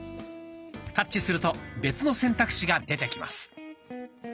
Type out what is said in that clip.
タッチすると別の選択肢が出てきます。